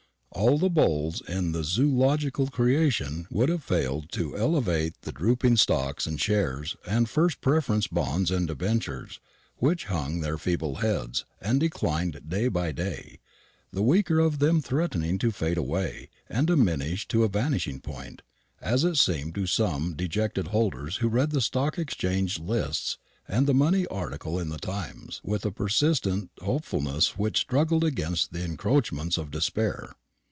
All the Bulls in the zoological creation would have failed to elevate the drooping stocks and shares and first preference bonds and debentures, which hung their feeble heads and declined day by day, the weaker of them threatening to fade away and diminish to a vanishing point, as it seemed to some dejected holders who read the Stock Exchange lists and the money article in the Times with a persistent hopefulness which struggled against the encroachments of despair.